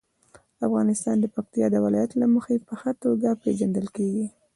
افغانستان د پکتیکا د ولایت له مخې په ښه توګه پېژندل کېږي.